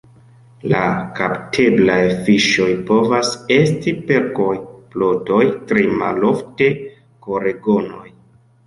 La kapteblaj fiŝoj povas esti perkoj, plotoj, tre malofte koregonoj.